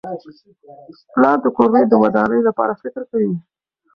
پلار د کورنۍ د ودانۍ لپاره فکر کوي.